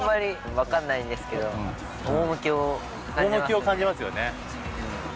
趣を感じますよね。